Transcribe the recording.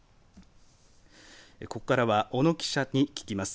ここからは小野記者に聞きます。